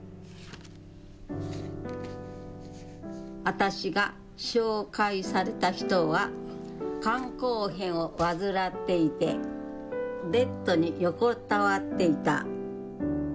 私が紹介された人は肝硬変を患っていてベッドに横たわっていた。